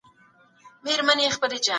ماشوم په ژړا کې د انا پښې نیسي.